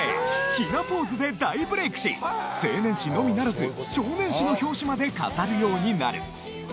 雛ポーズで大ブレイクし青年誌のみならず少年誌の表紙まで飾るようになる